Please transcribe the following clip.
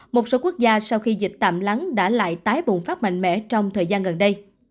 một số quốc gia sau khi dịch tạm lắng đã lại tái bùng phát mạnh mẽ trong thời gian gần đây